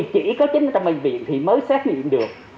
chỉ có chính bệnh viện mới xác nhận được